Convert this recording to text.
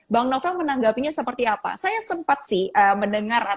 macam menanggap ini seperti apa saya sempat sih mendengar dong cell methodeiko aja di beberapa